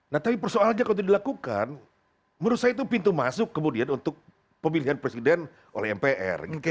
nah tapi persoalannya kalau dilakukan menurut saya itu pintu masuk kemudian untuk pemilihan presiden oleh mpr